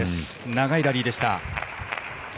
長いラリーでした。